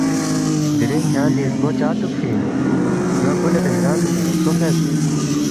دِرِنگ کھیانگ دی زگو چا چُوکفی اِن؟ ن٘ا گُلِ بہرام اِن، زگو فیس